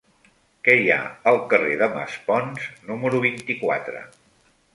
Què hi ha al carrer de Maspons número vint-i-quatre?